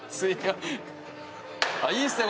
いいっすね。